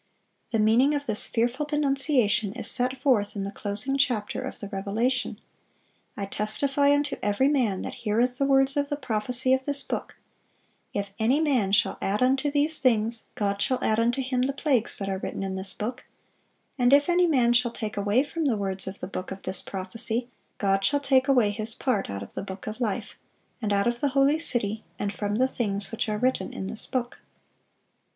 The meaning of this fearful denunciation is set forth in the closing chapter of the Revelation: "I testify unto every man that heareth the words of the prophecy of this book, If any man shall add unto these things, God shall add unto him the plagues that are written in this book: and if any man shall take away from the words of the book of this prophecy, God shall take away his part out of the book of life, and out of the holy city, and from the things which are written in this book."